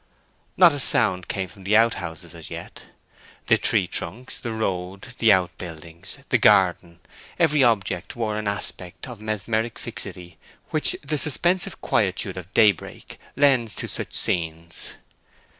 Not a sound came from any of the out houses as yet. The tree trunks, the road, the out buildings, the garden, every object wore that aspect of mesmeric fixity which the suspensive quietude of daybreak lends to such scenes.